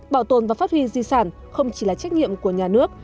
bảo tồn và phát huy di sản không chỉ là trách nhiệm của nhà nước